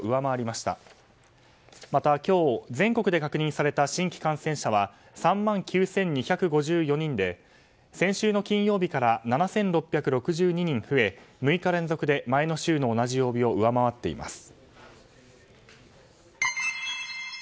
また今日全国で確認された新規感染者は３万９２５４人で先週の金曜日から７６６２人増え６日連続で前の週の同じ曜日を上回っています。